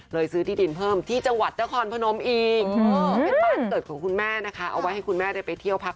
เลยซื้อที่ดินเพิ่มที่จังหวัดเตอร์คอนพนมอีก